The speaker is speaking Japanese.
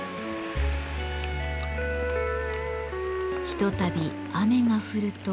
ひとたび雨が降ると。